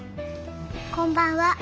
こんばんは。